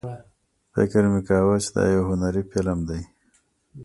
فکر مې کاوه چې دا یو هنري فلم دی.